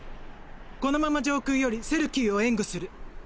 このまま上空よりセルキーを援護する。